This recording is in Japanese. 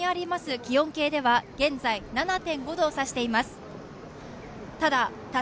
気温計では現在７．５度を指しています。